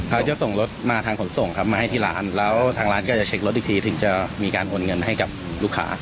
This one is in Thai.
เขาจะส่งรถมาทางขนส่งครับมาให้ที่ร้านแล้วทางร้านก็จะเช็ครถอีกทีถึงจะมีการโอนเงินให้กับลูกค้า